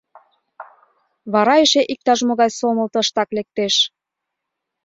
Вара эше иктаж-могай сомыл тыштак лектеш.